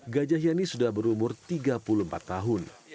gajah yani sudah berumur tiga puluh empat tahun